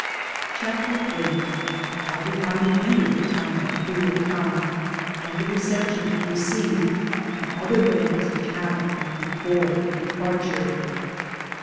CHAPTER TIH Of bow the army entered the town of Culiacan and the reception it received, and other things which happened before the departure.